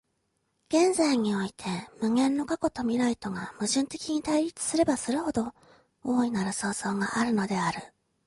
現在において無限の過去と未来とが矛盾的に対立すればするほど、大なる創造があるのである。